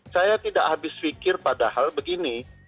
saya tidak habis pikir padahal begini